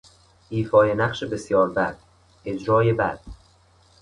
ایفای نقش بسیار بد، اجرای بد